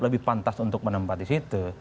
lebih pantas untuk menempat disitu